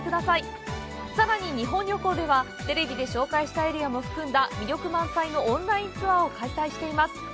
さらに日本旅行では、テレビで紹介したエリアも含んだ魅力満載のオンラインツアーを開催しています。